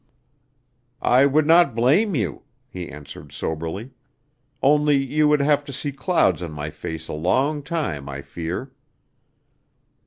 "I would not blame you," he answered soberly; "only you would have to see clouds on my face a long time, I fear."